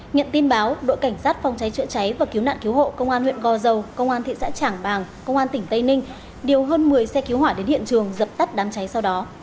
nhận tin báo đội cảnh sát phòng cháy chữa cháy và cứu nạn cứu hộ công an huyện gò dầu công an thị xã trảng bàng công an tỉnh tây ninh điều hơn một mươi xe cứu hỏa đến hiện trường dập tắt đám cháy sau đó